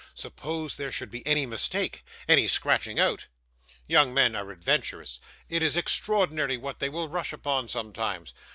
Suppose there should be any mistake any scratching out! Young men are adventurous. It is extraordinary what they will rush upon, sometimes.